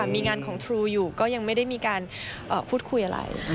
มีงานของทรูอยู่ก็ยังไม่ได้มีการพูดคุยอะไร